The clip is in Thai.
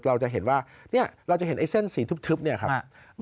เราจะเห็นว่าเนี่ยเราจะเห็นไอ้เส้นสีทึบเนี่ยครับ